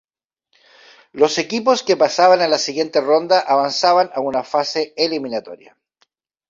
Los equipos que pasaban a la siguiente ronda avanzaban a una fase eliminatoria.